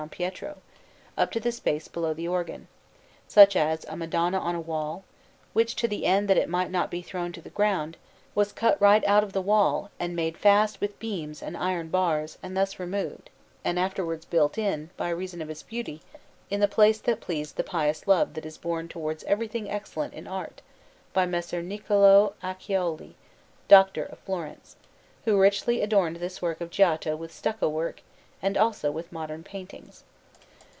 Pietro, up to the space below the organ; such as a Madonna on a wall, which, to the end that it might not be thrown to the ground, was cut right out of the wall and made fast with beams and iron bars and thus removed, and afterwards built in, by reason of its beauty, in the place that pleased the pious love that is borne towards everything excellent in art by Messer Niccolò Acciaiuoli, doctor of Florence, who richly adorned this work of Giotto with stucco work and also with modern paintings.